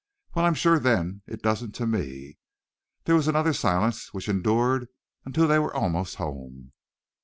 "Well I'm sure then it doesn't to me." There was another silence which endured until they were almost home.